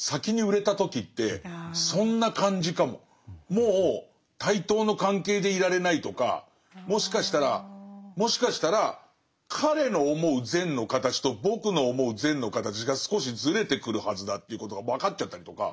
もう対等の関係でいられないとかもしかしたらもしかしたら彼の思う善の形と僕の思う善の形が少しずれてくるはずだということが分かっちゃったりとか。